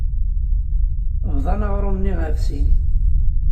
Bḍan aɣrum-nni ɣef sin.